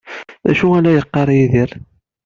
D acu ay la yeqqar Yidir?